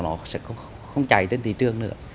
nó sẽ không chảy trên thị trường nữa